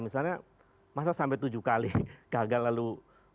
misalnya masa sampai tujuh kali gagal lalu